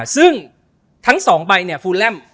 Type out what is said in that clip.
ซึ่งทั้ง๒ใบเนี่ยฟูแลม